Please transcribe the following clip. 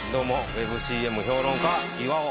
ＷｅｂＣＭ評論家岩尾。